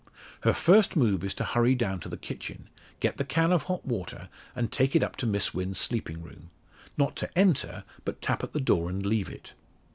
Her first move is to hurry down to the kitchen, get the can of hot water, and take it up to Miss Wynn's sleeping room. Not to enter, but tap at the door and leave it.